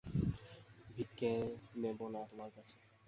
ভিক্ষে নেব না তোমার কাছে।